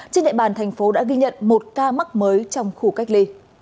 trên địa bàn thành phố đã ghi nhận một ca mắc mới trong khu cách ly